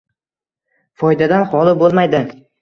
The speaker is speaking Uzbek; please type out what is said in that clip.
foydadan xoli bo‘lmaydi.